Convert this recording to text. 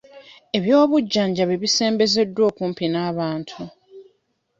Ebyobujjanjabi bisembezeddwa okumpi n'abantu.